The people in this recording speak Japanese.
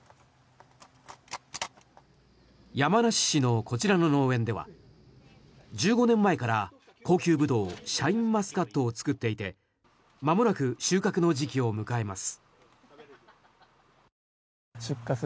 山梨市のこちらの農園では１５年前から高級ブドウシャインマスカットを作っていてまもなく収穫の時期を迎えます。